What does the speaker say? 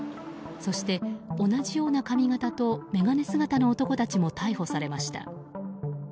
そして、同じような髪形と眼鏡姿の男たちも逮捕されました。